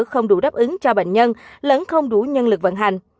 không đủ đáp ứng cho bệnh nhân lẫn không đủ nhân lực vận hành